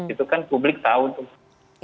itu kan publik tahu tuh